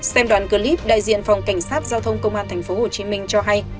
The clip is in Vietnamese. xem đoạn cơ líp đại diện phòng cảnh sát giao thông công an tp hcm cho hay